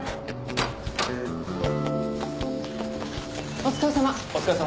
お疲れさま。